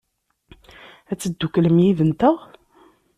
Ad tedduklem yid-nteɣ?